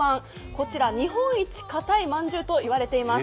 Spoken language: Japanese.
こちら日本一かたいまんじゅうと言われています。